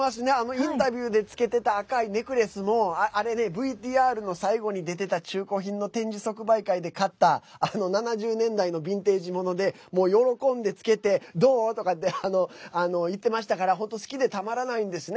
インタビューで着けてた赤いネックレスもあれね、ＶＴＲの最後に出てた中古品の展示即売会で買った７０年代のビンテージ物で喜んで着けて「どう？」とかって言ってましたから本当、好きでたまらないんですね。